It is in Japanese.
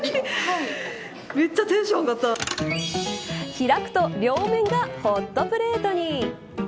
開くと両面がホットプレートに。